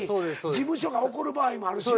事務所が怒る場合もあるしな。